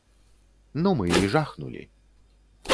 Ну, мы і жахнулі.